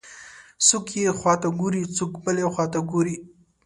څوک یوې خواته ګوري، څوک بلې خواته ګوري.